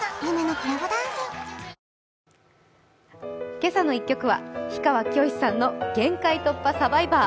「けさの１曲」は氷川きよしさんの「限界突破×サバイバー」。